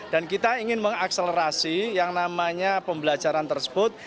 dan kita ingin mengakselerasi yang namanya pembelajaran tersebut